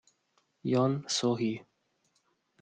Yoon So-hee